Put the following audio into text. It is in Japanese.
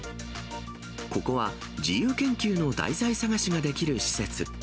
ここは自由研究の題材探しができる施設。